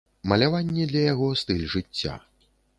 Маляванне для яго стыль жыцця.